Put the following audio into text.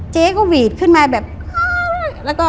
เจ๊ก็หวีดขึ้นมาแบบแล้วก็